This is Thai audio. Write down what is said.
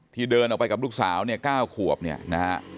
เดินออกไปกับลูกสาวเนี่ย๙ขวบเนี่ยนะฮะ